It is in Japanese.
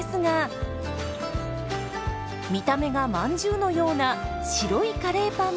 見た目がまんじゅうのような白いカレーパンも登場！